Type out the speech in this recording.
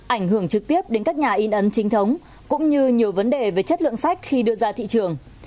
ảnh hưởng trực tiếp đến các nhà in ấn chính thống cũng như nhiều vấn đề về chất lượng sách khi đưa ra thị trường